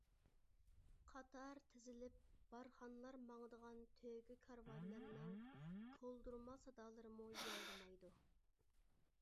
قاتار تىزىلىپ بارخانلار ماڭىدىغان تۆگە كارۋانلىرىنىڭ كولدۇرما سادالىرىمۇ ياڭرىمايدۇ.